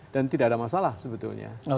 dan tidak ada masalah sebetulnya